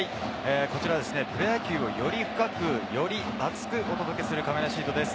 プロ野球をより深く、より熱くお届けする、かめなシートです。